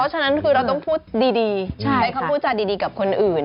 ฉะนั้นคือเราต้องพูดดีใช้คำพูดจาดีกับคนอื่น